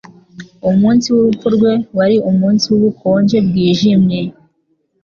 Umunsi w'urupfu rwe wari umunsi wubukonje bwijimye.